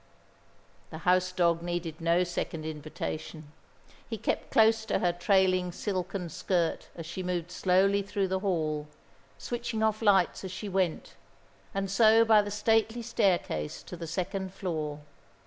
The house dog needed no second invitation. He kept close to her trailing silken skirt as she moved slowly through the hall, switching off lights as she went, and so by the stately staircase to the second floor.